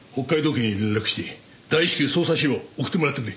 警に連絡して大至急捜査資料を送ってもらってくれ。